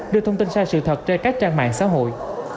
đưa thông tin sai sự thật trên các trang mạng xã hội